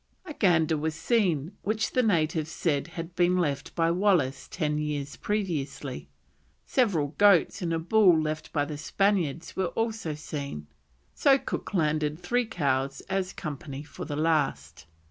A gander was seen, which the natives said had been left by Wallis ten years previously; several goats and a bull left by the Spaniards were also seen, so Cook landed three cows as company for the last.